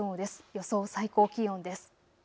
予想最高気温です。